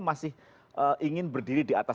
masih ingin berdiri di atas